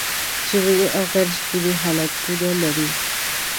ژبني او غیر ژبني حالتونه لري.